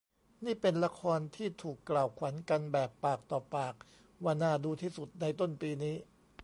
นี่เป็นละครที่ถูกกล่าวขวัญกันแบบปากต่อปากว่าน่าดูที่สุดในต้นปีนี้